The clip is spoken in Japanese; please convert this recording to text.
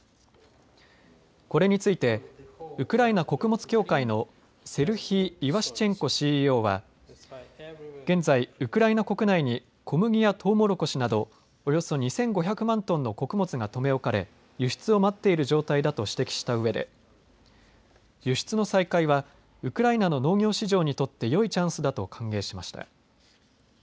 これについてウクライナ穀物協会のセルヒー・イワシチェンコＣＥＯは現在、ウクライナ国内に小麦やトウモロコシなどおよそ２５００万トンの穀物が留め置かれ輸出を待っている状態だと指摘したうえで輸出の再開はウクライナの農業市場にとってよいチャンスだと歓迎しました。